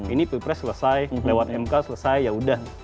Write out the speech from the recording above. ini pilpres selesai lewat mk selesai ya udah